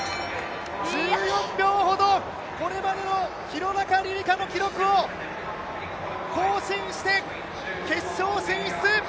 １４秒ほど、これまでの廣中璃梨佳の記録を更新して、決勝進出！